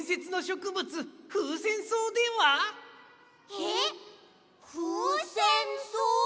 えっふうせんそう！？